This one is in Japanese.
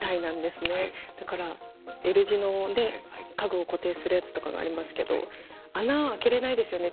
だからＬ字ので家具を固定するやつとかがありますけど穴を開けれないですよね